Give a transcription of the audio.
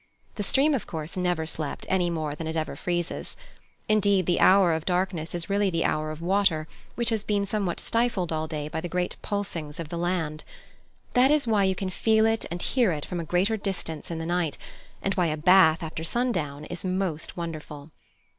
The stream, of course, never slept, any more than it ever freezes. Indeed, the hour of darkness is really the hour of water, which has been somewhat stifled all day by the great pulsings of the land. That is why you can feel it and hear it from a greater distance in the night, and why a bath after sundown is most wonderful.